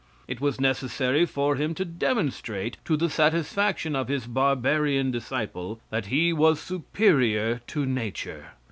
It was necessary for him to demonstrate to the satisfaction of his barbarian disciple, that he was superior to nature.